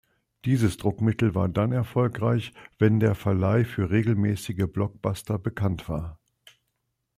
Dieses Druckmittel war dann erfolgreich, wenn der Verleih für regelmäßige Blockbuster bekannt war.